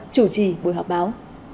chủ trì buổi họp báo